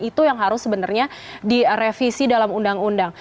itu yang harus sebenarnya direvisi dalam undang undang